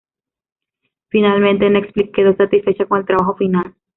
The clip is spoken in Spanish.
Finalmente, Netflix quedó satisfecha con el trabajo final.